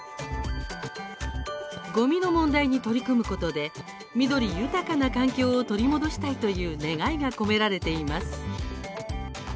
ごみの問題に取り組むことで緑豊かな環境を取り戻したいという願いが込められています。